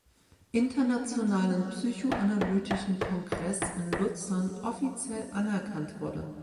Internationalen Psychoanalytischen Kongreß in Luzern offiziell anerkannt wurde.